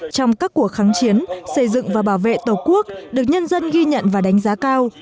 trong các cuộc kháng chiến xây dựng và bảo vệ tổ quốc được nhân dân ghi nhận và đánh giá cao